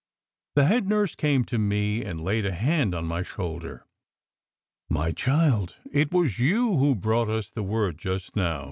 The head nurse came to me and laid a hand on my shoulder. "My child, it was you who brought us the word just now!"